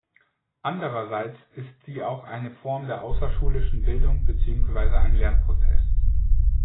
Andererseits ist sie auch eine Form der außerschulischen Bildung beziehungsweise ein Lernprozess.